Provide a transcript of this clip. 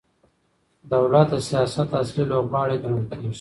دولت د سياست اصلي لوبغاړی ګڼل کيږي.